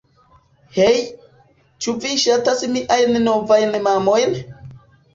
Hej, ĉu vi ŝatas miajn novajn mamojn?